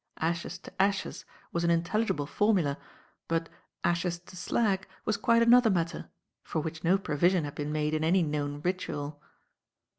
"Ashes to Ashes" was an intelligible formula, but "ashes to slag" was quite another matter, for which no provision had been made in any known ritual.